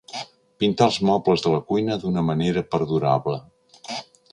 Pintar els mobles de la cuina d'una manera perdurable.